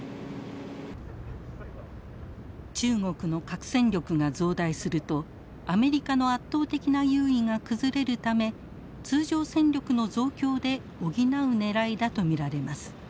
中国の核戦力が増大するとアメリカの圧倒的な優位が崩れるため通常戦力の増強で補うねらいだと見られます。